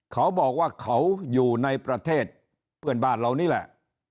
เขาบอกว่าเขาอยู่ในประเทศเพื่อนบ้านเรานี่แหละ